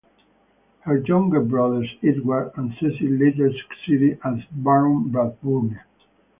Her younger brothers Edward and Cecil later succeeded as Baron Brabourne.